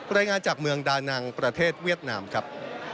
รายงานจากเมืองดานังประเทศเวียดนามครับ